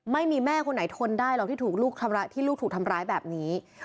ไม่มีแม่คนไหนทนได้หรอกที่ถูกลูกที่ลูกถูกทำร้ายแบบนี้